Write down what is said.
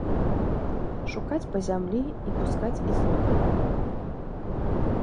Шукаць па зямлі і пускаць ізноў.